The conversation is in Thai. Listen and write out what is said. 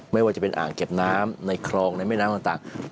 ไม่ว่าจะเป็นอ่างเก็บน้ำในคลองในแม่น้ำต่าง